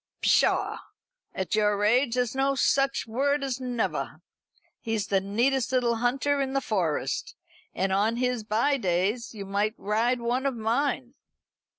"Pshaw! At your age there's no such word as never. He's the neatest little hunter in the Forest. And on his by days you might ride one of mine."